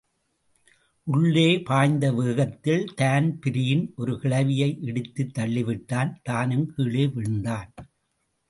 உள்ளே பாய்ந்த வேகத்தில் தான்பிரீன் ஒரு கிழவியை இடித்துத் தள்ளிவிட்டான் தானும் கீழே விழுந்தான்.